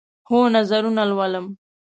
هو، نظرونه لولم